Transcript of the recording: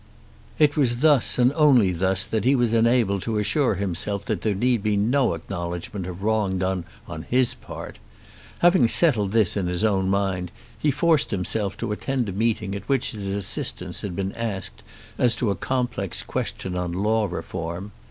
It was thus and only thus that he was enabled to assure himself that there need be no acknowledgment of wrong done on his part. Having settled this in his own mind he forced himself to attend a meeting at which his assistance had been asked as to a complex question on Law Reform.